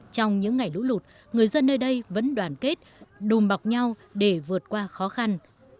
trong những ngày lũ lụt người dân nơi đây vẫn đoàn kết đùm bọc nhau để vượt qua khó khăn